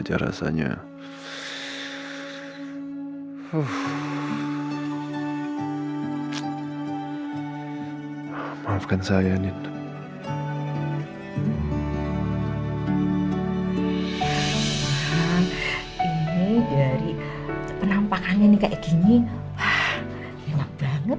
harapan ku sampai pulang